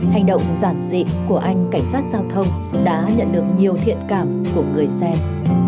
hành động giản dị của anh cảnh sát giao thông đã nhận được nhiều thiện cảm của người xem